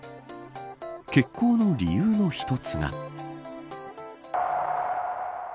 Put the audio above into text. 欠航の理由の一つが。